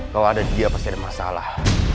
kalau ada dia pasti ada masalah